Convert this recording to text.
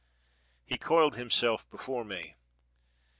He coiled himself before me.